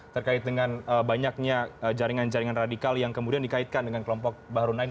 terkait dengan banyaknya jaringan jaringan radikal yang kemudian dikaitkan dengan kelompok bahru naim